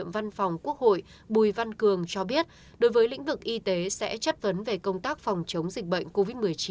văn phòng quốc hội bùi văn cường cho biết đối với lĩnh vực y tế sẽ chất vấn về công tác phòng chống dịch bệnh covid một mươi chín